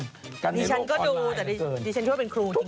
กันในโลกคอนไลน์เกินเกินดีฉันก็ดูแต่ดีฉันดูว่าเป็นครูจริง